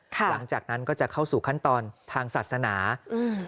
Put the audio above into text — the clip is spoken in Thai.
หลังจากนั้นก็จะเข้าสู่ขั้นตอนทางศาสนาอืม